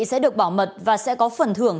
sẽ được bảo mật và sẽ có phần thưởng